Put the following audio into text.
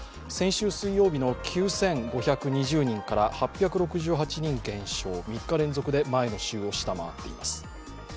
先週水曜日の９５２０人から８６８人減少３日連続で前の週を下回っています